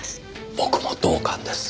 僕も同感です。